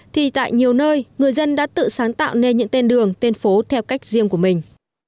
thì tại nhiều nơi người dân đã tự sáng tạo nên những tên đường tên phố theo cách riêng của mình